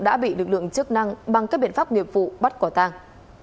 đã bị lực lượng chức năng bằng các biện pháp nghiệp vụ bắt quả tàng